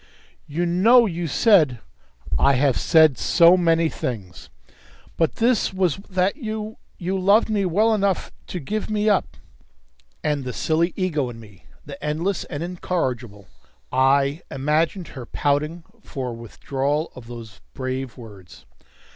"You know you said " "I have said so many things!" "But this was that you you loved me well enough to give me up." And the silly ego in me the endless and incorrigible I imagined her pouting for a withdrawal of those brave words.